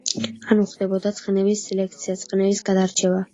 ანუ ხდებოდა ცხენების სელექცია; ცხენების გადარჩევა.